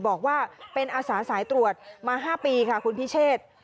บอกว่าเป็นอาสาสายตรวจมา๕ปีค่ะคุณพิเชษ